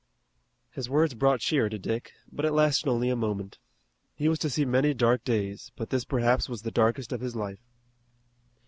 His words brought cheer to Dick, but it lasted only a moment. He was to see many dark days, but this perhaps was the darkest of his life.